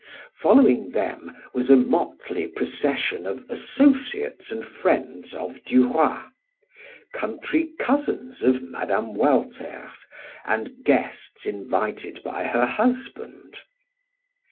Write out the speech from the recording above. Following them was a motley procession of associates and friends of Du Roy, country cousins of Mme. Walter's, and guests invited by her husband.